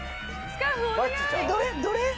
どれ？